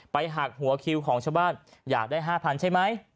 หักหัวคิวของชาวบ้านอยากได้๕๐๐๐ใช่ไหม